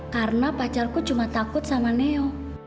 karena pacarku cuma takut sama neo